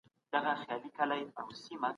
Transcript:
لوستل باید د فرهنګ په توګه عام سي.